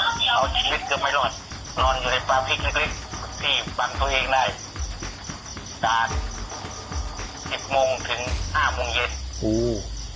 พี่ปังตัวเองได้จากสิบโมงถึงห้าโมงเย็นโอ้